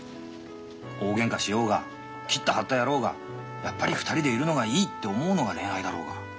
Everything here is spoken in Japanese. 大げんかしようが切った張ったやろうがやっぱり２人でいるのがいいって思うのが恋愛だろうが。